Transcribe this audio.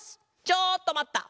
ちょっとまった！